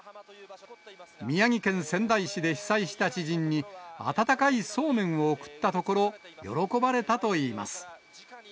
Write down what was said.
宮城県仙台市で被災した知人に、温かいそうめんを送ったところ、喜ばれたといいます。